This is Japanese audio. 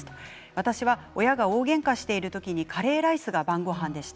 私は親が大げんかしている時にカレーライスが晩ごはんでした。